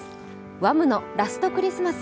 Ｗｈａｍ！の「ラスト・クリスマス」